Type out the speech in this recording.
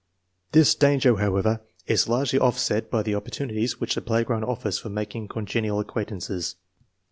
This danger, however, is largely offset by the oppor tunities which the playground offers for making con genial acquaintances.